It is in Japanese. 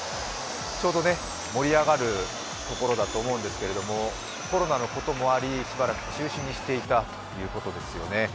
ちょうど盛り上がるところだと思うんですけれどコロナのこともあり、しばらく中止にしていたということですよね。